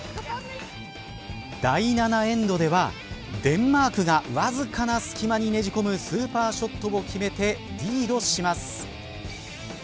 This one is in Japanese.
第７エンドではデンマークがわずかな隙間にねじ込むスーパーショットを決めてリードします。